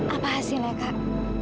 apa hasilnya kak